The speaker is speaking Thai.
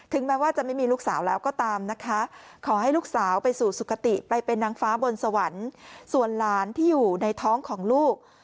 แม้ว่าจะไม่มีลูกสาวแล้วก็ตามนะคะขอให้ลูกสาวไปสู่สุขติไปเป็นนางฟ้าบนสวรรค์ส่วนหลานที่อยู่ในท้องของลูก